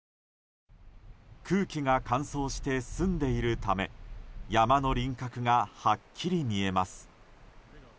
空気が乾燥して澄んでいるため山の輪郭がはっきり見えます。